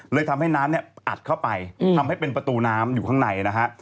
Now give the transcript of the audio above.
ทำให้น้ำเนี่ยอัดเข้าไปทำให้เป็นประตูน้ำอยู่ข้างในนะฮะ